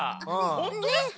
ほんとですか？